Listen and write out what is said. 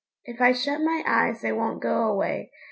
If I shut my eyes they won't go away.